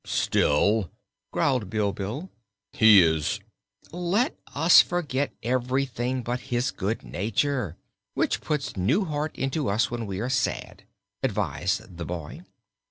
"Still," growled Bilbil, "he is " "Let us forget everything but his good nature, which puts new heart into us when we are sad," advised the boy.